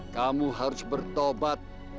kamu harus bertobat